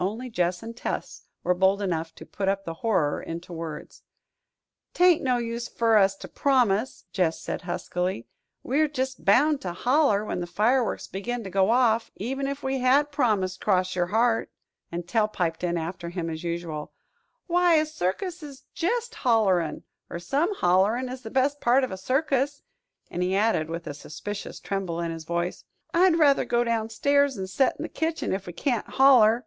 Only Gess and Tell were bold enough to put the horror into words. "'Tain't no use fer us to promise," Gess said huskily. "We're jest bound to holler when the fireworks begins to go off, even if we had promised cross yer heart." And Tell piped in, after him, as usual: "W'y, a circus is jest hollerin' or some hollerin' is the best part of a circus." And he added, with a suspicious tremble in his voice, "I'd rather go downstairs an' set in the kitchen, if we can't holler."